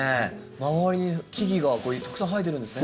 周りに木々がたくさん生えてるんですね。